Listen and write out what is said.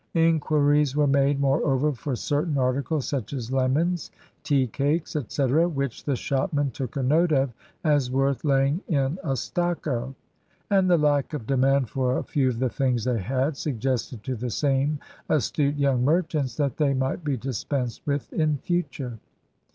Inquiries were made, moreover, for certain articles, such as lemons, tea cakes, etcetera, which the shopmen took a note of as worth laying in a stock of. And the lack of demand for a few of the things they had, suggested to the same astute young merchants that they might be dispensed with in future.